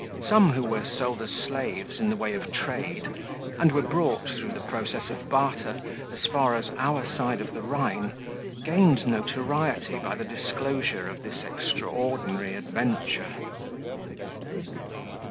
Some who were sold as slaves in the way of trade and were brought through the process of barter as far as our side of the Rhine, gained notoriety by the disclosure of this extraordinary adventure.